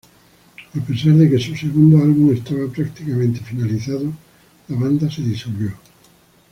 A pesar de que su segundo álbum estaba prácticamente finalizado, la banda se disolvió.